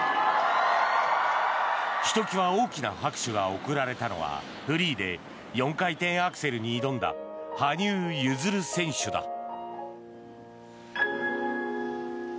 ひときわ大きな拍手が送られたのはフリーで４回転アクセルに挑んだ羽生結弦選手だ。